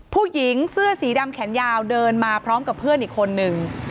ผู้หญิงเสื้อสีดำแขนยาวเดินมาพร้อมกับเพื่อนอีกคนนึง